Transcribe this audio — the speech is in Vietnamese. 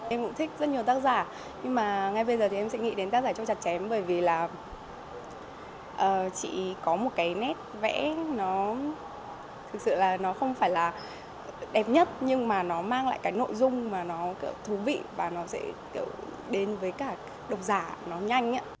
em cũng thích rất nhiều tác giả nhưng mà ngay bây giờ thì em sẽ nghĩ đến tác giả trong chặt chém bởi vì là chị có một cái nét vẽ nó thực sự là nó không phải là đẹp nhất nhưng mà nó mang lại cái nội dung mà nó thú vị và nó sẽ đến với cả độc giả nó nhanh